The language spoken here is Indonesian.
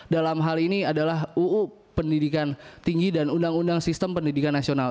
dalam hal ini adalah uu pendidikan tinggi dan undang undang sistem pendidikan nasional